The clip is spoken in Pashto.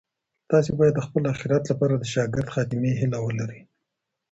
تاسي باید د خپل اخیرت لپاره د شاکره خاتمې هیله ولرئ.